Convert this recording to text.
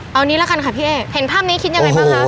เอางี้ละกันค่ะพี่เอ๊เห็นภาพนี้คิดยังไงบ้างคะ